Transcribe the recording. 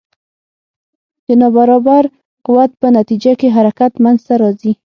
د نا برابر قوت په نتیجه کې حرکت منځته راځي.